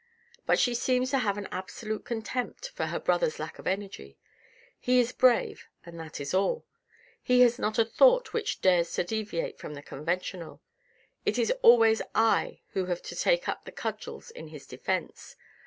But she seems to have an absolute contempt for her brother's lack of energy. He is brave and that is all. He has not a thought which dares to deviate from the conventional. It is always I who have to take up the cudgels in his defence.